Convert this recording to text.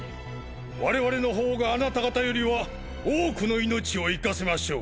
我々の方があなた方よりは多くの命を生かせましょう。